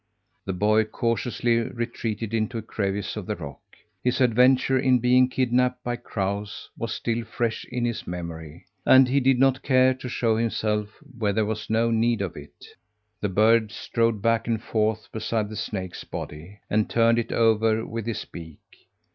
The boy cautiously retreated into a crevice of the rock. His adventure in being kidnapped by crows was still fresh in his memory, and he did not care to show himself when there was no need of it. The bird strode back and forth beside the snake's body, and turned it over with his beak.